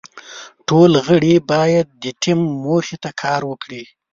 ټول غړي باید د ټیم موخې ته کار وکړي.